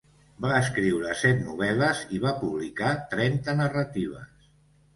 Va escriure set novel·les i va publicar trenta narratives.